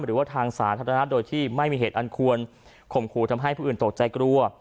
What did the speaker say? หรือว่าทางสาธารณะโดยที่ไม่มีเหตุอันควรข่มขู่ทำให้ผู้อื่นตกใจกลัว